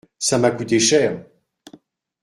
Ça m’a coûté cher.